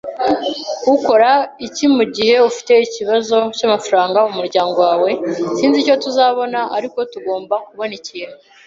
Ukora iki mugihe ufite ikibazo cyamafaranga mumuryango wawe Sinzi icyo tuzabona, ariko tugomba kubona ikintu.